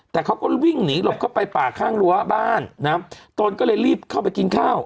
แต่เขาก็วิ่งหนีหลบเข้าไปป่าข้างรั้วบ้านนะตนก็เลยรีบเข้าไปกินข้าว